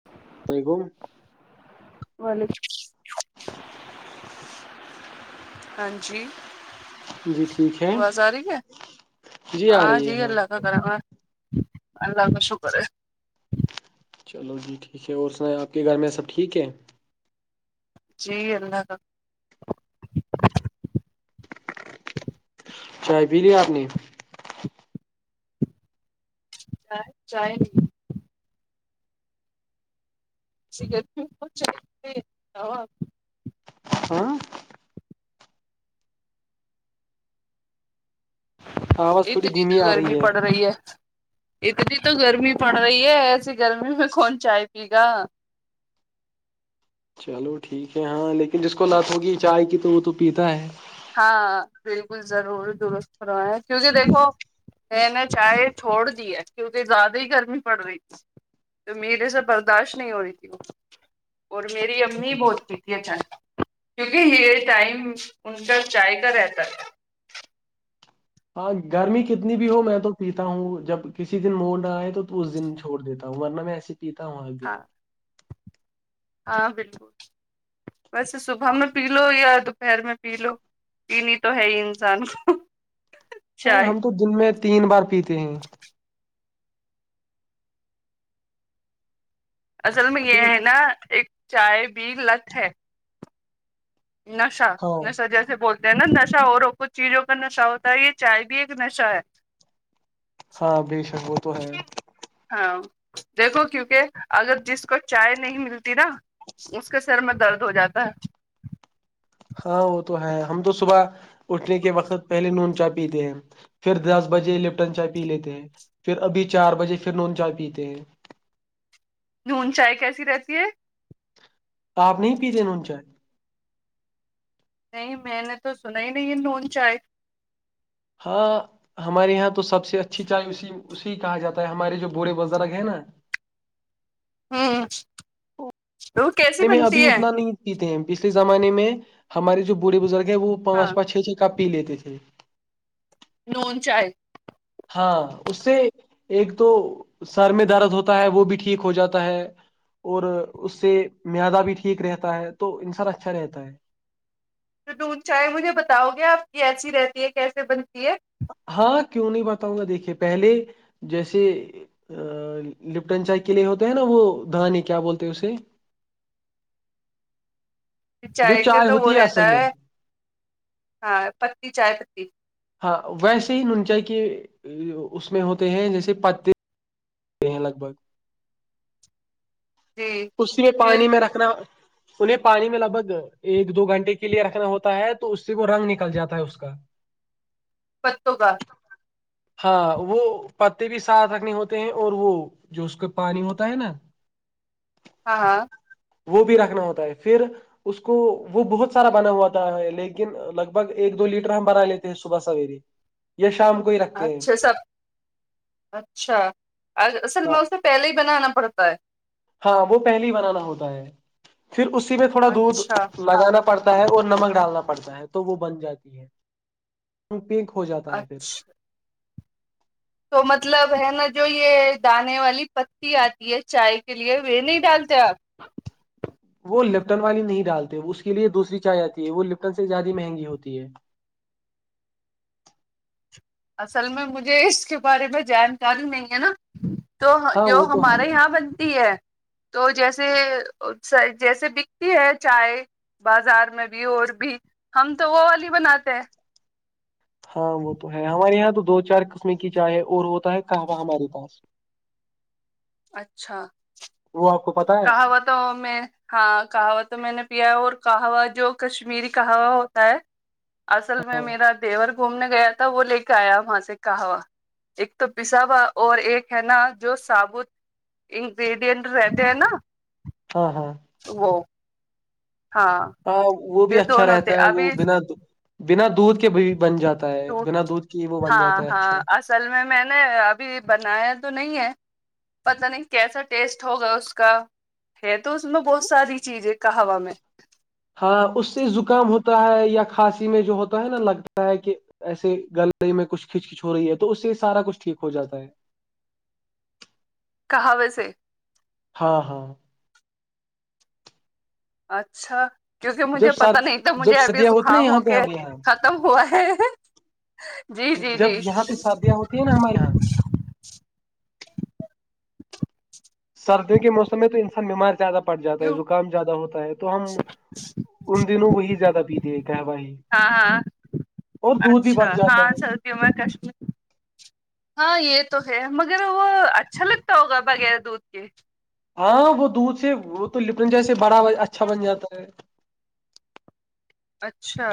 [inaudible] تئی کون وعلیکم ہاں جی جی ٹھیک ہے باز آ رہی ہے آ ہاں رہی ہے جی اللہ کر برابر اللہ کا شکرے چلو جی ٹھیک ہے اور سنیں آپ کے گھر میں سب ٹھیک ہے جی اللہ کا [inaudible] چائے پی لی آپ نے چائے چائے اسی ساب ہاں آواز تھوڑی اتنی تو دھیمی آ گرمی پڑ رہی ہے اتنی تو گرمی پڑ رہی ہے ایسی گرمی میں کون چائے پی گا چلو ٹھیک ہے ہاں لیکن جس کو لت ہوگی چائے کی تو وہ تو پیتا ہے ہاں بالکل ضرور درست رہو ہیں کیونکہ دیکھو میں نہا چائے چھوڑ دی ہے کیونکہ زیادہ ہی گرمی پڑ رہی ہے تو میرے سے برداشت نہیں ہو رہی تھی وہ اور میری امی بہت پیتی اچانک کیونکہ یہ ٹائم اننٹر چائے کا رہتا ہاں گرمی کتنی بھی ہو میں تو پیتا ہوں جب کسی دن موڑ نہ آئے تو اس دن چھو دیتاوں ورہ میں ایے پیتا ہوں ایک دن ہاں ہاں بالکل ویسے صبح میں پی لو یا دوپہر میں پی لو پی نہیں تو ہے ہی انسان کو ہاں چائے ہم تو دن میں تین بار پیتے ہیں اصل میں یہ ہے نا ایک چائے پی لت ہے نشہ ہاں نشہ جیسے بول چائے بھی ایک نشہ ہے ہاں بے شک تو ہے دیکھو کیونکہ اگر جس کو چائے نہیں ملتی نا اس کا سر میں درد ہو جاتا ہے ہاں وہ تو ہے ہم تو صبح اٹھنے کے وقت پہلے میں ان جب بھی تھے دس بجے لفٹن چائے پی لیتے ہیں پھر ابھی چار بجے پھر نون چائے پیتے ہیں نون چائے کیسی رہتی ہے اپ نہیں پی نہیں میں نے تو سنا ہی نہیں ہے نون چائے ہاں ہمارے ہاں تو سب سے اچھی چاے اسی اسی کہا جاتا ہے ہمارے جو بوڑھے بزرگ ہیں نا ہاں میں ابھی اتنا نہیں پیتے ہیں پچھلے زمانے میں ہمارے جو بوڑھے بزرگ ہیں وہ ہاں پانچ پانچ چھ چھ کاپ پی لیتے تھے نون چائے ہاں اس سے ایک تو سر میں درد ہوتا ہے وہ بھی ٹھیک ہو جاتا ہے اور اس سے معیادہ بھی ٹھیک رہتا ہے تو انسان اچھا رہتا ہے چاہے مجھے بتاؤ گے اپ کیسی رہتی ہے کیسے بنتی ہے ہاں کیوں نہیں بتاؤں گا دیکھیں پہلے جیسے لپٹن چائے کے لیے ہوتے ہیں نا وہ دانی کیا بولتے ہیں اسے جو چائے کا تو وہ ہوتی رہتا اصل میں ہے چائے پتی ویسے ہی نون چائی کے اس میں ہوتے ہیں جیسے جی اسی میں پھر پانی میں رکھنا انہیں پانی میں ایک دو گھنٹے کے لیے رکھنا ہوتا ہے تو اس سے وہ رنگ نکل جاتا ہے اس کا [inaudible] پتو کا ہاں وہ پتے بھی ساتھ رکھنی ہوتی اور وہ جو اس کا پانی ہوتا ہے نا ہاں ہاں وہ بھی رکھنا ہوتا ہے پھر اس کو وہ بہت سارا بنا ہوا تھا لیکن لگ بھگ ایک دو لیٹر بنا لیتے ہیں صبح سویرے [inaudible] یہ شام کو ہی رکھتے ہیں اچھا صاحب اچھا اصل ہاں میں اس نے پہلے ہی بنانا پڑتا ہے ہاں وہ پہلے ہی بنانا ہوتا ہے پھر اسی میں تھوڑا دود اچھا لگانا پڑتا ہے اور نمک ڈالنا پڑتا ہے تو وہ بن جاتی ہے پنک ہوجاتا ہے پھر اچھا تو مطلب ہے نا جو یہ دانے والی پتی آتی ہے چائے کے لیے نہیں ڈالتے آپ وہ لپٹن والی نہیں ڈالتے اس کے لیے دوسری چایے آتی ہے وہ لپٹن سے زیادی مہنگی ہوتی ہے اصل میں مجھے اس کے بارے میں جان کاری نہیں ہے نا تو ہاں جو وہ تو ہے ہمارے یہاں بنتی ہے تو جیسے جیسے بکتی ہے چائے بازار میں بھی اور بھی ہم تو وہ والی بناتے ہیں ہاں وہ تو ہے ہمارے یہاں تو دو چار قسمیں کی جائے اور ہوتا ہے کہوہ ہمارے پاس [inaudible] اچھا وہ آپ کو پتا ہے کہوا تو میں ہاں کہا وہ تو میں نے پیا ہے اور کہا ہوا جو کشمیری کہوا ہوتا ہے اصل میں ہاں میرا دیور گھومنے گیا تھا وہ لے کے آیا وہاں سے کہوا ایک تو پسا ہوا اور ایک ہے نا جو ثابت انگریڈینٹ ہے ہے نا ہاں ہاں وہ ہاں ہاں وہ بھی یہ اچھا دونوں تھے رہتا ہے وہ ابھی بنا بنا دودھ کے بھی بن جاتا تا ہے بنا دودھ کے ہی وہ بن ہاں جاتا ہے ہاں اچھا اصل میں میں نے ابھی بنایا تو نہیں ہے پت نہیں کیسا ٹیسٹ ہوگا اس کا ہے تو اس میں بہت ساری چیز ہے کہوا میں ہاں اس سے زکام ہوتا ہے یا کھانسی میں جو ہوتا ہے نا لگتا ہے کہ ایسے گلی میں کچھ کھچ کچ ہو رہی ہے تو اس سے سارا کچھ ٹھیک ہو جاتا ہے کہا وی سے ہاں ہاں اچھا کیونکہ جب مجھے پتا سر نہیں تو مجھے جب ابھی سدیاں ہوتی نا زکام یہاں ہو پہ کے ہمارے یہاں ختم ہوا ہے جی جی جب جی یہاں پہ شادیاں ہوتی ہیں نا ہمارے یہاں سردیوں کے موسم میں تو انسان بیمار زیادہ پڑ جاتا ہے کیوں زکام زیادہ ہوتا ہے تو ہم ان دنوں وہی زیادہ پی دے گا بھائی ہاں ہاں اور دودھ ہی بچ جاتا ہے جم کاشمیر [inaudible] ہاں یہ تو ہے مگر وہ اچھا لگتا ہوگا بغیر دودھ کے ہاں وہ دودھ سے وہ تو لپن جیسے بڑا اچھا بن جاتا ہے [unintelligible] اچھا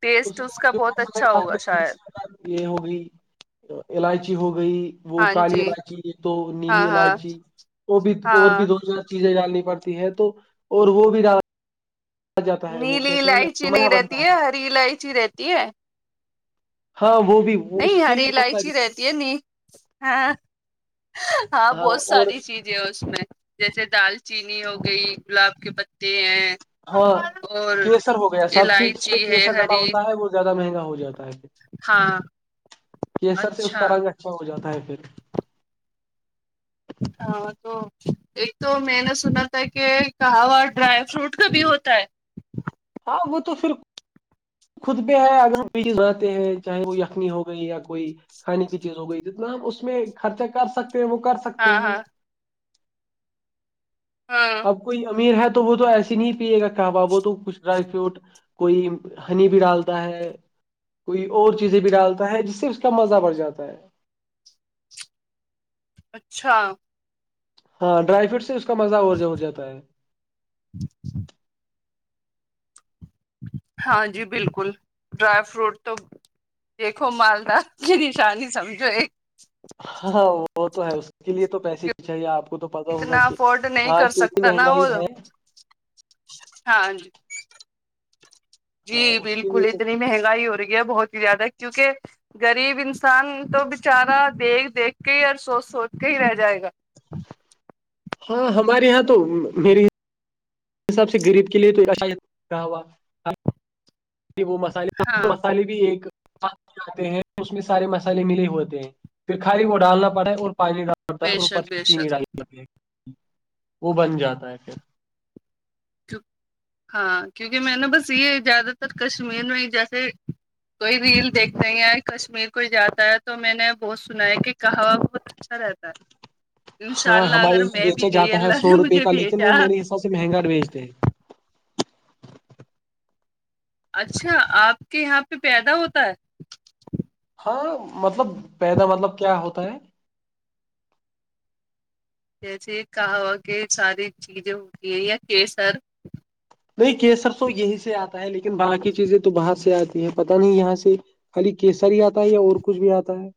ٹیسٹ اس میں کا جو بہت مسلے اچھا ہوگا ڈالتے ہیں شاید جیسے یہ ہوگئی الائچی ہو گئی وہ ہاں کالی جی الائچی ایک تو ہاں نیلی ہاں الائچی اور بھی اور بھی ہاں د چیزیں جاننی پڑتی ہے تو اور وہ بھی جاتا ہے وہ نیلی کہتے ہیں الائچی نہیں نا رہتی بنتا ہے ہری الائچی رہتی ہے ہاں وہ بھی نہیں اس کے ہاری لیے بہت الائچی ساری چیز رہتی ہے ن ہاں ہاں بہت ساری چیز اس میں جیسے دال چینی ہو گئی گلاب کے پتے ہیں ہاں اور کیسر ہو گیا سب سے ج میں الائچی ہے کیسر ڈالا ہری ہوتا ہے وہ زیادہ مہنگا ہو جاتا ہے ہاں کیصر سے اس اچھا کا رنگ اچھا ہو جاتا ہے پھر ہاں تو ایک تو میں نے سنا تھا کہ کہاوا ڈرائی فروٹ کا بھی ہوتا ہے ہاں وہ تو پھر خود پہ ہے اگرزتے ہیں چاہے وہ یخمی ہو گئی یا کوئی [inaudible] کھانے کی چیز ہو گئی جتنا ہم اس میں خرچہ کر سکتے ہیں وہ کر سکتے ہاں ہیں ہاں ہاں کوئی امیر ہے تو وہ تو ایسے نہیں پیے گا کہ ب وہ تو کچھ ڈرائی فروٹ کوئی ہنی بھی ڈالتا ہے کوئی اور چیزیں بھی ڈالتا ہے جس سے اس کا مزہ بڑھ جاتا ہے اچھا ہاں ڈرائی فروٹ سے اس کا مزہ اورور جو ہو جاتا ہے جی جی [inaudible] ہاں جی بالکل ڈرائی فروٹ تو دیکھو مالدا کی نشانی سمجھو ایک ہاں وہ تو ہے اس اس کے لیے تو پیسے ہی چاہیے آپ کو تو پتا ہوگا اتنا کہ افورڈ نہیں ہاں اس کر سے اتنی سکتا نا وہ مہنگائی ہے ہاں جی ہاں جی اس کے بالکل لیے تو اتنی مہنگائی ہو رہی ہے بہت ہی زیادہ کیونکہ غریب انسان تو بچارا دیکھ دیکھ کے ہی اور سوچ سوچ کے ہی رہ جائے گا ہاں ہمارے یہاں تو میری حساب سے غریب کے لیے تو ایاا ہوا وہ مسالے ہاں مسالے بھی ایکاتھ آے ہیں اس میں سارے مسالے ملے ہوتے ہیں پھر کھالی وہ ڈالنا پڑتا ہے اور پانی ڈالنا پڑتا ہے بے اور اوپر شک بے سے چینی شک ڈال وہ بن جاتا ہے پھر ہاں کیونکہ میں نےا بس یہ زیادہ تر کشمیر میں ہی جیسے کوئی ریل دیکھتے ہیں کشمیر کوئی جاتا ہے تو میں نے بہت سنا ہے کہ کہاو اچھا رہتا ہے انشاء ہاں اللہ ہمارے اگر یہاں میں بھی بیچا گئی جاتا ہے اللہ نے سو روپے مجھے کا لیکن وہ بھیجا میرے حساب سے مہنگا بیچتے ہیں اچھا آپ کے یہاں پہ پیدا ہوتا ہے ہاں مطلب پیدا مطلب کیا ہوتا ہے جیسے کہا ہوا کہ ساری چیزیں ہوتی ہے یا کی سر نہیں کیسر تو یہی سے آتا ہے لیکن باقی چیزیں تو باہر سے آتی پتا نہیں یہاں سے خالی کیسر ہی آتا ہے یا اور کچھ بھی آتا ہے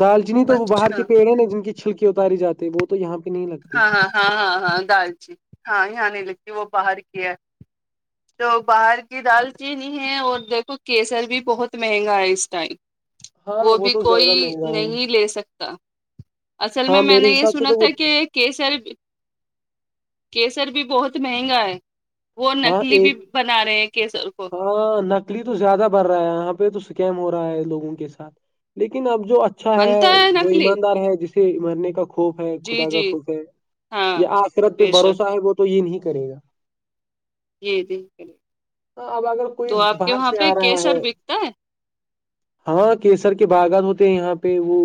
دالچنیی تو وہ باہر کے اچھا پیڑے ن جن کی چھلکی اتاری جاتی وہ تو یہاں پہ نہیں لگا ہاں ہاں ہاں ہاں ہاں دالچی ہاں یہاں نہیں لگتی وہ باہر کی ہے [inaudible] تو باہر کی دال چینی ہے اور دیکھو کیسر بھی بہت مہنگا ہے اس ٹائم ہاں وہ بھی تو کوئی زیادہ مہنگا ہے نہیں لے سکتا اصل میں ہاں میں میرے نے یہ حساب سے سنا تو تھا وہ کہ ایک کیسر کیسر بھی بہت مہنگا ہے وہ ہاں نکلی بھی ایک بنا رہے ہیں کیسر کو ہاں نکلی تو زیادہ بڑ رہا ہے یہاں پہ تو اسکیم ہو رہا ہے لوگوں کے ساتھ لیکن اب جو اچھا ہے بنتا جو نکلی ایماندار ہے جسے مرنے کا خوف ہے جی خدا کا جی خوف ہے ہاں یہ آثرت پہ بے شک بھروسہ ہے وہ تو یہ نہیں کرے گا جی جی ہ اب اگر کوئی باہر سے آ رہا ہے کیسر بکتا ہے ہاں کیسر کے باغان ہوتے ہیں یہاں پہ وہ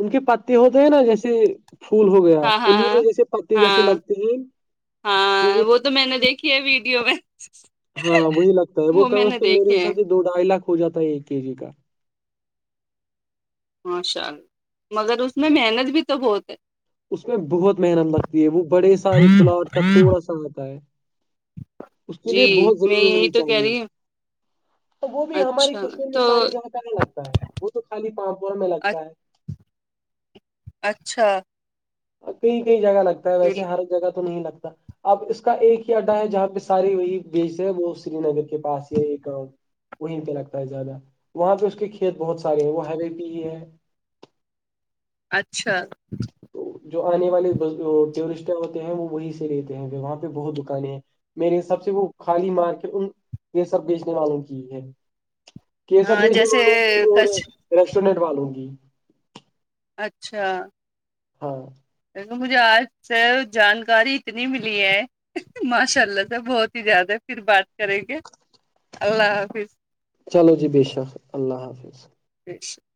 ان کے پتے ہوتے ہیں نا جیسے پھول ہو گیا ہاں ہاں انیں میں ہاں جیسے پتے جیسے ہاں لگتے ہیں ہاں تو وہ تو میں نے دیکھی ہے ویڈیو میں ہاں وہی لگتا ہے وہ کم میں از نے کم میرے دیکھے ہیں حساب سے دو ڈھائی لاکھ ہو جاتا ہے ایک کے جی کا ماشاء اللہ مگر اس میں محنت بھی تو بہت ہے اس میں بہت محنت لگتی ہے وہ بڑے سارے پلاٹ کا تھوڑا سا آتا ہے اس کے جی لیے بہت میں زمینیں ہونی یہی تو کہہ چاہیے رہی ہوں اور وہ بھی ہماری اچھا کشمیر تو میں ساری جگ پ لگتا ہے وہ تو خالی پاپور میں لگتا ہے اچھا کئی کئی جگہ لگتا ہے بال ویسے ہر جگہ تو نہیں لگتا اب اس کا ایک ہی اڈا ہے جہاں پہ سارے وہی بیج ہے وہ سری نگر کے پاس ہی ایک وہیں پہ لگتا ہے زیادہ وہاں پہ اس کے کھیت بہت سارے ہیں وہ ہوے پ ہی ہے اچھا تو جو آنے والے ٹورسٹ ہوتے ہیں وہ وہی سے رہتے ہیں وہاں پہ بہت دکانیں میرے سب سے وہ خالی مار کے ان یہ سب بیچنے والوں کی ہے کیسر ہاں بیجنے جیسے والوں گ کی اور کچھ ریسٹورینٹ والوں گی اچھا ہاں مجھے آج سے جانکاری اتنی ملی ہے ماشاء اللہ سے بہت ہی زیادہ پھر بات کریں گے اللہ حافظ چلو جی بے شک اللہ حافظ [inaudible]